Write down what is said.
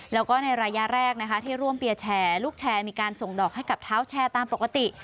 แล้วก็ในระยะแรกนะคะที่ร่วมเปียร์แชร์ลูกแชร์มีการส่งดอกให้กับเท้าแชร์ตามปกติ